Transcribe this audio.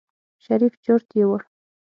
شريف چورت يوړ.